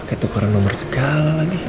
pakai tukeran nomer segala lagi